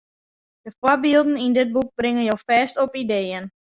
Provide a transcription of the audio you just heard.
De foarbylden yn dit boek bringe jo fêst op ideeën.